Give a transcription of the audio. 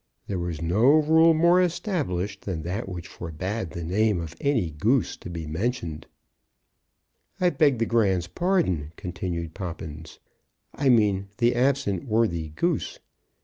There was no rule more established than that which forbade the name of any Goose to be mentioned. "I beg the Grand's pardon," continued Poppins; "I mean the absent worthy Goose.